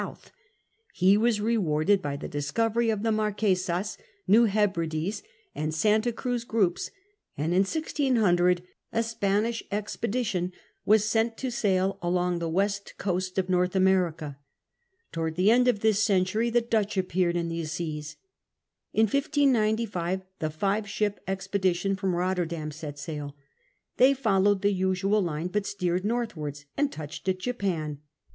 Ho was rewarded by the discovery of the Marquesas, New Hebrides, and Santa Cruz groups, and in 1600 a Spanish expedition was sent to sail along the west coast of North America. Towards the end of. this century the Dutch appeared in these seas. In 1595 the " Five Ship *' expedition from Rotterdam set sail ; they followed the usual line, but steered northwaitis and touched at Japan.